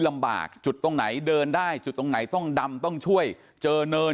ลำบากจุดตรงไหนเดินได้จุดตรงไหนต้องดำต้องช่วยเจอเนิน